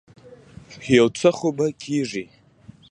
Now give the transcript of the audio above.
يو څه خو به کېږي.